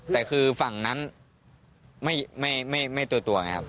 แต่คือฝั่งนั้นไม่ตัวครับ